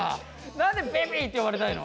なんでベビーって呼ばれたいの？